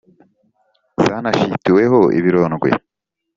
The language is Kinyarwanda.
Zanashituweho ibirondwe?